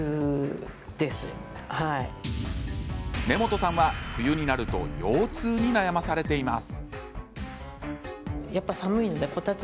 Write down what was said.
根本さんは、冬になると腰痛に悩まされています。